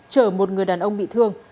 chở một người đàn ông bị thương